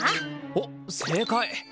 おっ正解！